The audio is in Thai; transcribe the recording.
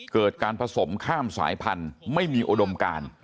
เกิดการผสมข้ามสายพันธุ์ไม่มีอุดมการ